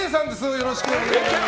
よろしくお願いします。